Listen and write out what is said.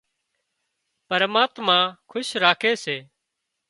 پرماتما کُش راکي سي